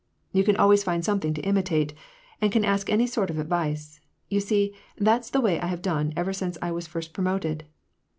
'^ You can always find somethuig to imitate, and can ask any sort of advice. You see, that's the way I have done ever since 1 was first promoted."